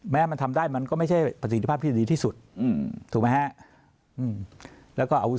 แม้มันทำได้มันก็ไม่ใช่สิทธิภาพที่ดีที่สุดถูกไหมฮะแล้วก็เอาสู่